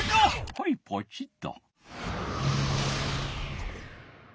はいポチッと。